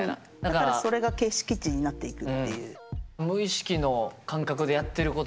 だからそれが形式知になっていくっていう。